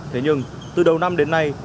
thế nhưng từ đầu năm đến nay